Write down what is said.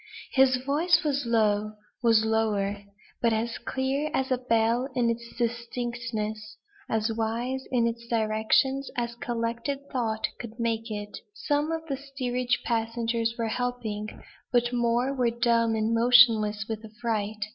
His voice was low was lower; but as clear as a bell in its distinctness; as wise in its directions as collected thought could make it. Some of the steerage passengers were helping; but more were dumb and motionless with affright.